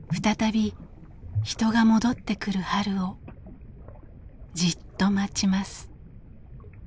再び人が戻ってくる春をじっと待ちます。